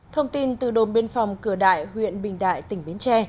thông tin từ đồn biên phòng cửa đại huyện bình đại tỉnh bến tre